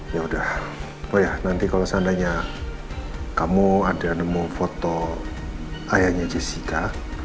yaudah oh iya nanti kalau seandainya kamu ada nemu foto ayahnya jessica